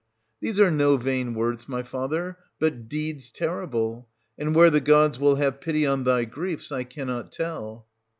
These are no vain words, my father, but deeds terrible; and where the gods will have pity on thy griefs, I cannot tell.